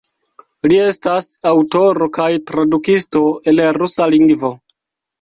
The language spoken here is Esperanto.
Li estas aŭtoro kaj tradukisto el rusa lingvo.